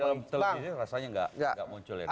dalam telus ini rasanya gak muncul ya bang